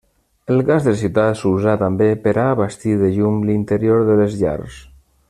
El gas de ciutat s'usà també per a abastir de llum l'interior de les llars.